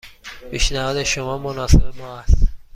پیشنهاد شما مناسب ما است.